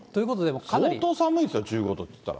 相当寒いですよ、１５度っていったら。